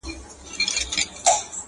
کرۍ ورځ یم وږې تږې ګرځېدلې٫